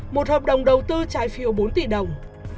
một hợp đồng đầu tư trái phiếu bốn tỷ đồng